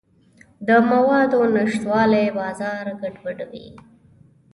د موادو نشتوالی بازار ګډوډوي.